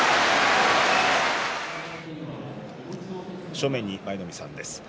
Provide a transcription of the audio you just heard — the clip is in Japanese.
正面に舞の海さんです。